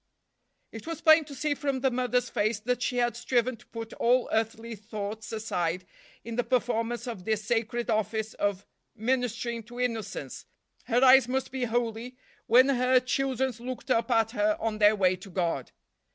It was plain to see from the mother's face that she had striven to put all earthly thoughts aside in the performance of this sacred office of ministering to innocence; her eyes must be holy when her children's looked up at her on their way to God.